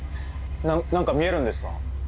何か見えるんですか？